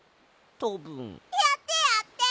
やってやって！